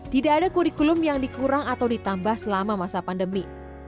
tidak ada kurikulum yang dikurang atau ditambah selama masa pandemi